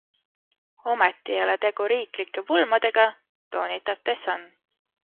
Ometi ei ole tegu riiklike pulmadega, toonitab The Sun.